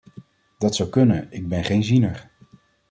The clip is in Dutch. Dat zou kunnen, ik ben geen ziener.